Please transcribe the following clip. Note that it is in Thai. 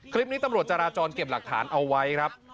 คลิปนี้ตำรวจจราจรเก็บหลักฐานเอาไว้ครับ